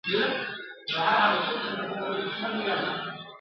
مساپر ستړي پر لار یو ګوندي راسي !.